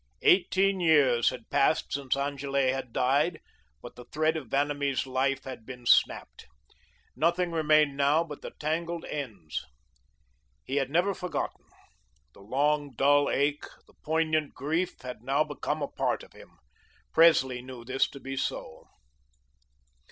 Eighteen years had passed since Angele had died, but the thread of Vanamee's life had been snapped. Nothing remained now but the tangled ends. He had never forgotten. The long, dull ache, the poignant grief had now become a part of him. Presley knew this to be so.